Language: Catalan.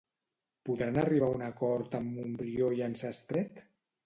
Podran arribar a un acord en Montbrió i el Sastret?